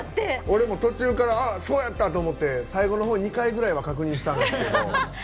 俺も途中からああそうやったと思って最後のほう２回ぐらいは確認したんですけど。